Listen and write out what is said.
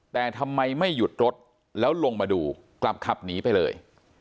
แต่ทำไมไม่หยุดรถแล้วลงมาดูกลับขับหนีไปเลย